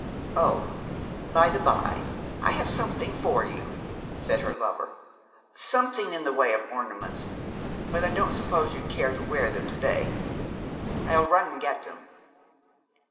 'Oh, by the by, I have something for you,' said her lover, 'something in the way of ornaments, but I don't suppose you'd care to wear them to day. I'll run and get them.'